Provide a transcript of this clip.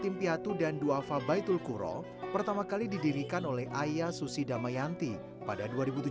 tim piatu dan ⁇ wafa baitul kuro pertama kali didirikan oleh ayah susi damayanti pada dua ribu tujuh belas